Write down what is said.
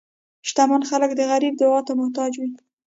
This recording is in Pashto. شتمن خلک د غریب دعا ته محتاج وي.